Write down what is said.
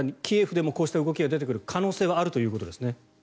キエフでもこうした動きが出てくる可能性があるということですね。